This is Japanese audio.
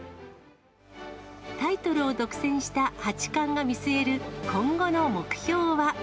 タイトルを独占した八冠が見据える今後の目標は。